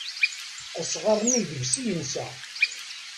Asɣar-nni deg-s i yensa.